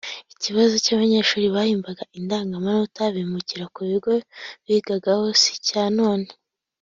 Ikibazo cy’abanyeshuri bahimba indangamanota bimuka ku bigo bigagaho si icya none